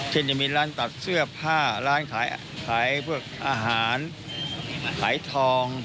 เช่นจะมีร้านตัดเสื้อผ้าร้านขายพวกอาหารขายทอง